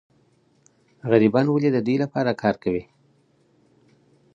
غریبان ولي د دوی لپاره کار کوي؟